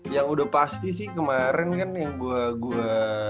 yang udah pasti sih kemarin kan yang gue gua